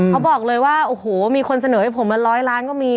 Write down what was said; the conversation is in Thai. เขาบอกเลยว่าโอ้โหมีคนเสนอให้ผมมาร้อยล้านก็มี